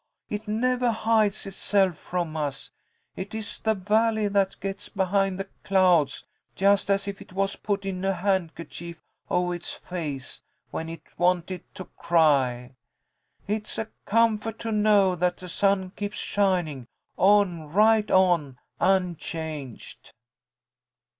It nevah hides itself from us. It is the valley that gets behind the clouds, just as if it was puttin' a handkerchief ovah its face when it wanted to cry. It's a comfort to know that the sun keeps shining, on right on, unchanged."